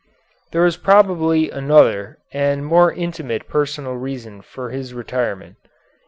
There was probably another and more intimate personal reason for his retirement.